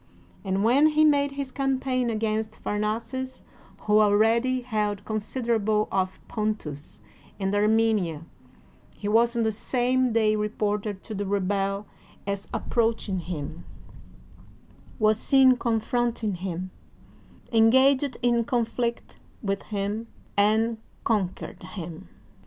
And when he made his campaign against Phamaces, who al ready held considerable of Pontus and Armenia, he was on the same day reported to the rebel as approaching him, was seen confronting him, en gaged in conflict with him, and conquered him.